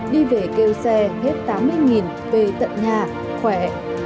đi về kêu xe hết tám mươi về tận nhà khỏe